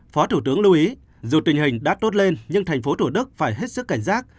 phó thủ tướng lưu ý dù tình hình đã tốt lên nhưng thành phố thủ đức phải hết sức cảnh giác